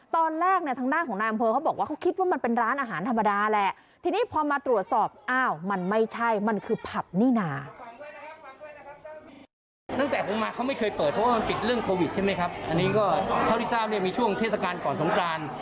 ใช่ไหมครับอันนี้ก็เท่าที่ทราบเนี่ยมีช่วงเทศกาลก่อนสงกราณ